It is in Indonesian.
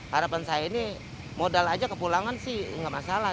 harapan saya ini modal aja kepulangan sih nggak masalah